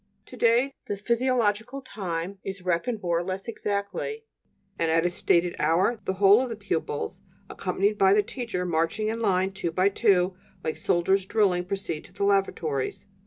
To day the physiological time is reckoned more or less exactly, and at a stated hour the whole of the pupils, accompanied by the teacher, marching in line two by two, like soldiers drilling, proceed to the lavatories.